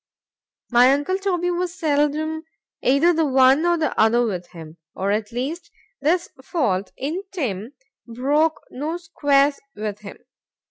My uncle Toby was seldom either the one or the other with him,—or, at least, this fault, in Trim, broke no squares with them.